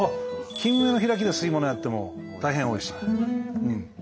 キンメの開きで吸い物やっても大変おいしい。